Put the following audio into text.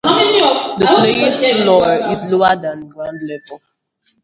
The playing floor is lower than ground level.